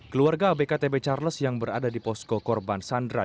keluarga abk tb charles yang berada di posko korban sandra